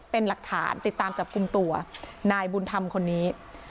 เป็นหลักฐานติดตามจับกลุ่มตัวนายบุญธรรมคนนี้